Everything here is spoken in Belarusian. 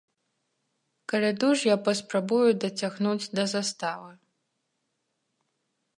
Каляду ж я паспрабую дацягнуць да заставы.